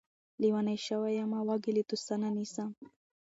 لېونے شوے يمه واګې له توسنه نيسم